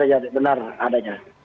iya benar adanya